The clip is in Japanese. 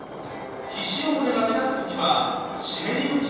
皮脂汚れが目立つ時は湿り拭き